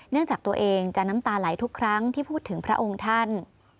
จากตัวเองจะน้ำตาไหลทุกครั้งที่พูดถึงพระองค์ท่าน